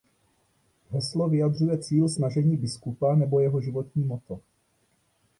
Heslo vyjadřuje cíl snažení biskupa nebo jeho životní motto.